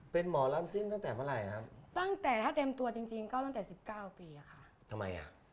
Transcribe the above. เป็นหมอลำซิ่งตั้งแต่เมื่อไหร่ครับ